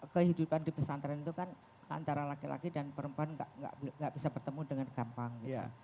kehidupan di pesantren itu kan antara laki laki dan perempuan tidak bisa bertemu dengan gampang